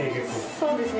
そうですね。